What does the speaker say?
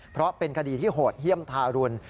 เพราะเป็นคดีที่โหดเยี่ยมทารุณ